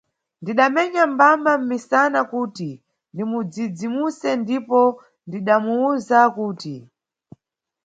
Ndidamʼmenya mbama mʼmisana, kuti ndimudzidzimuse ndipo ndidamuwza kuti.